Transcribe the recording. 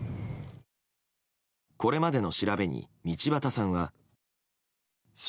これまでの調べに道端さんは。